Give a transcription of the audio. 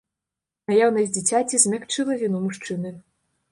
Наяўнасць дзіцяці змякчыла віну мужчыны.